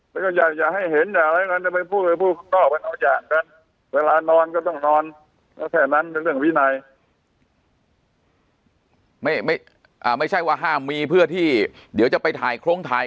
ไม่ไม่ไม่ไม่ใช่ว่าห้ามมีเพื่อที่เดี๋ยวจะไปถ่ายโครงถ่าย